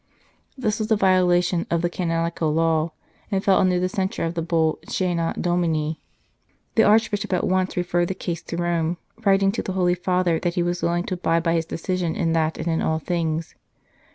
This was a violation of the canonical law, and fell under the censure of the Bull Ccena Domini. The Archbishop at once referred the case to Rome, waiting to the Holy Father that he was willing to abide by his decision in that and in all things.